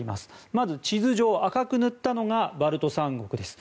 まず、地図上赤く塗ったのがバルト三国です。